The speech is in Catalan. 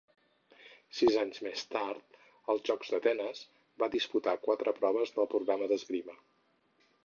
Sis anys més tard, als Jocs d'Atenes, va disputar quatre proves del programa d'esgrima.